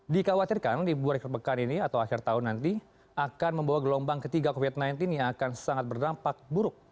dikhawatirkan libur akhir pekan ini atau akhir tahun nanti akan membawa gelombang ketiga covid sembilan belas yang akan sangat berdampak buruk